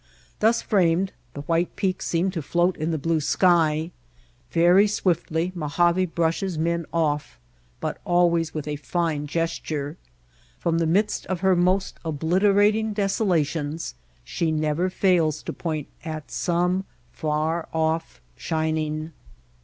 Thus framed the white peak seemed to float in the blue sky. Very swiftly Mojave brushes men ofif, but always with a fine gesture. From the midst of her most obliterating desolations she never fails to point at some far off shining.